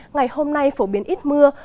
ngày hôm nay phổ biến ít mưa